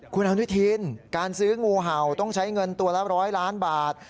คุณอนุทินการซื้องูเห่าต้องใช้เงินตัวละ๑๐๐ล้านบาท